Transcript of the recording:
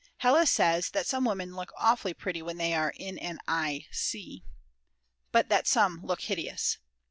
Hella says that some women look awfully pretty when they are in an i c , but that some look hideous.